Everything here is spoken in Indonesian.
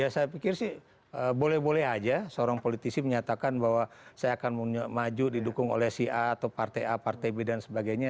ya saya pikir sih boleh boleh aja seorang politisi menyatakan bahwa saya akan maju didukung oleh si a atau partai a partai b dan sebagainya